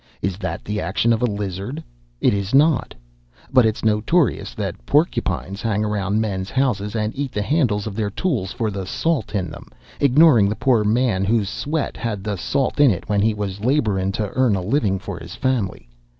Is that the action of a lizard? It is not! But it's notorious that porcupines hang around men's houses and eat the handles of their tools for the salt in them, ignoring' the poor man whose sweat had the salt in it when he was laborin' to earn a livin' for his family.